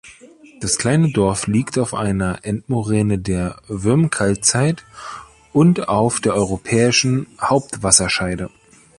Das kleine Dorf liegt auf einer Endmoräne der Würmkaltzeit und auf der Europäischen Hauptwasserscheide.